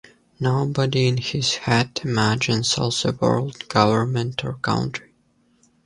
Nobody in his head imagines all the world, government or country.